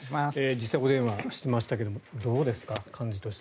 実際お電話してましたけどどうでした？